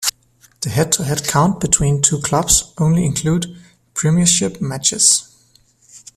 The head to head count between the two clubs only include premiership matches.